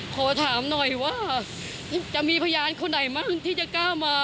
คิดว่าจะมีพยานคนใดที่แก้วมา